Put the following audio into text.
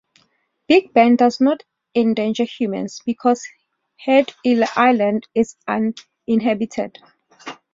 Big Ben does not endanger humans because Heard Island is uninhabited.